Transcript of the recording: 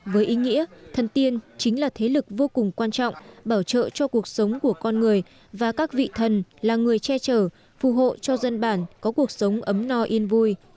với ý nghĩa thân tiên chính là thế lực vô cùng quan trọng bảo trợ cho cuộc sống của con người và các vị thần là người che trở phù hộ cho dân bản có cuộc sống ấm no yên vui